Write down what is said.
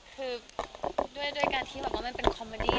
คือด้วยการที่แบบว่ามันเป็นคอมเมดี้